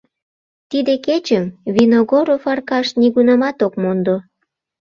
Тиде кечым Виногоров Аркаш нигунамат ок мондо.